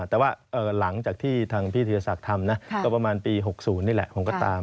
แต่ว่าหลังจากที่ทางพี่ธีรศักดิ์ทำนะก็ประมาณปี๖๐นี่แหละผมก็ตาม